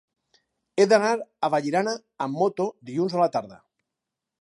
He d'anar a Vallirana amb moto dilluns a la tarda.